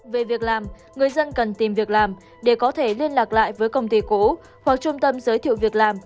về việc làm người dân cần tìm việc làm để có thể liên lạc lại với công ty cũ hoặc trung tâm giới thiệu việc làm